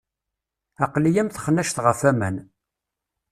Aql-i am texnact ɣef waman.